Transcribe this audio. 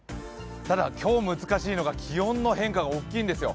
ただ今日難しいのが気温の変化が大きいんですよ。